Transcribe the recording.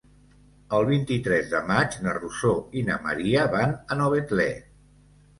El vint-i-tres de maig na Rosó i na Maria van a Novetlè.